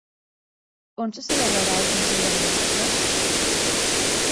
On se celebrarà el consell de ministres?